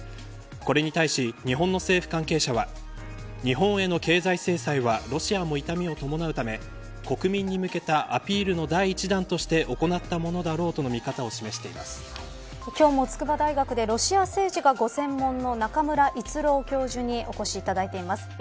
これに対し、日本の政府関係者は日本への経済制裁はロシアも痛みを伴うため国民に向けたアピールの第一弾として行ったものだろう今日も、筑波大学でロシア政治がご専門の中村逸郎教授にお越しいただいています。